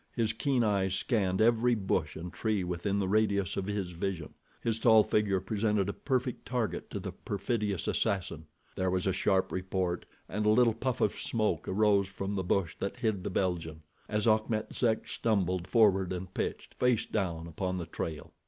His keen eyes scanned every bush and tree within the radius of his vision. His tall figure presented a perfect target to the perfidious assassin. There was a sharp report, and a little puff of smoke arose from the bush that hid the Belgian, as Achmet Zek stumbled forward and pitched, face down, upon the trail.